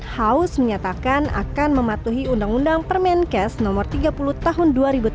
haus menyatakan akan mematuhi undang undang permenkes no tiga puluh tahun dua ribu tujuh belas